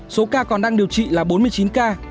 số ca còn đang điều trị là bốn mươi chín ca